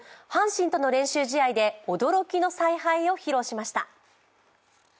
阪神との練習試合で驚きの采配を披露しました。